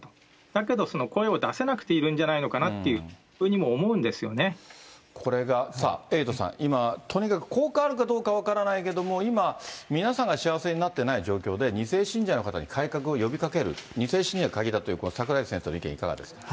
だけどその声を出せなくているんじゃないのかなというふうにも思これがさあ、エイトさん、とにかく効果あるかどうか分からないけども、今、皆さんが幸せになってない状況で、２世信者の方に改革を呼びかける、２世信者が鍵だという櫻井先生の意見いかがですか。